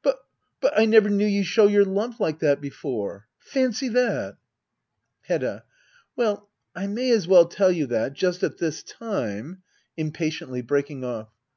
But — but — I never knew you show your love like that before. Fancy that ! Hedda. Well, I may as well tell you that — just at this time [Impatiently, breaking off.